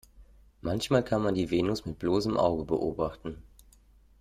Manchmal kann man die Venus mit bloßem Auge beobachten.